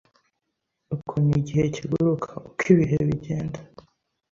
Ukuntu igihe kiguruka ... uko ibihe bigenda ...